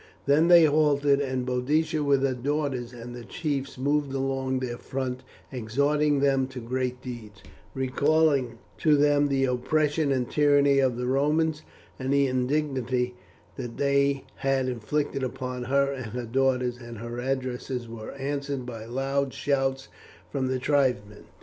Then they halted, and Boadicea with her daughters and the chiefs moved along their front exhorting them to great deeds, recalling to them the oppression and tyranny of the Romans, and the indignity that they had inflicted upon her and her daughters; and her addresses were answered by loud shouts from the tribesmen.